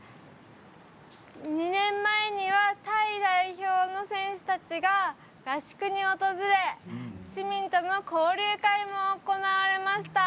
２年前にはタイ代表の選手たちが合宿に訪れ、市民との交流会も行われました。